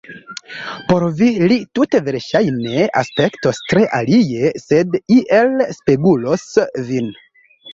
Por vi li tute verŝajne aspektos tre alie, sed iel spegulos vin.